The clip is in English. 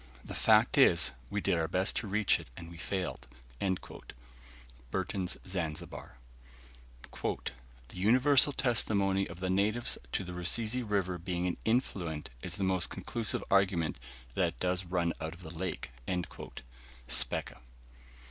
The fact is, we did our best to reach it, and we failed." Burton's Zanzibar. "The universal testimony of the natives to the Rusizi River being an influent is the most conclusive argument that it does run out of the lake." Speke.